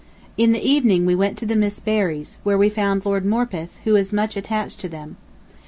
In the evening we went to the Miss Berrys', where we found Lord Morpeth, who is much attached to them.